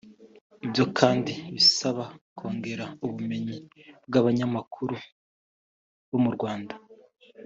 Ibyo kandi birasaba kongera ubumenyi bw’abanyamakuru bo mu Rwanda